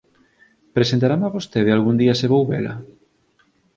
Presentarama vostede algún día se vou vela?